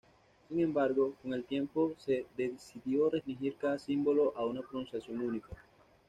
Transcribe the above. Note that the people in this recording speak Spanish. Sin embargo, con el tiempo se decidió restringir cada símbolo a una pronunciación única.